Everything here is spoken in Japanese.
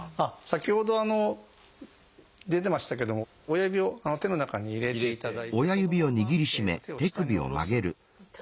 先ほど出てましたけども親指を手の中に入れていただいてそのまま手を下に下ろす。